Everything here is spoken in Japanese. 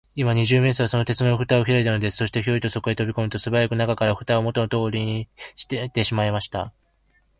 今、二十面相は、その鉄のふたをひらいたのです。そして、ヒョイとそこへとびこむと、すばやく中から、ふたをもとのとおりにしめてしまいました。